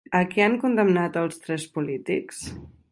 A què han condemnat als tres polítics?